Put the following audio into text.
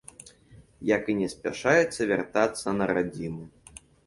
Як і не спяшаецца вяртацца на радзіму.